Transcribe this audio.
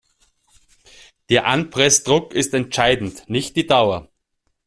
Der Anpressdruck ist entscheidend, nicht die Dauer.